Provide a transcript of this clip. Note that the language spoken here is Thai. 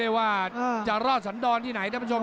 เดี๋ยวจอนครับท่านผู้ชม